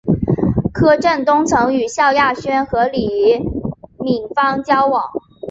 柯震东曾与萧亚轩和李毓芬交往。